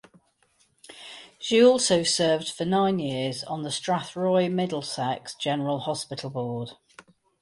She also served for nine years on the Strathroy Middlesex General Hospital Board.